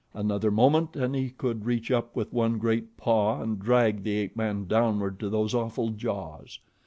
Another moment and he could reach up with one great paw and drag the ape man downward to those awful jaws.